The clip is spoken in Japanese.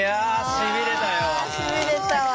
しびれた。